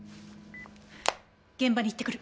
現場に行ってくる。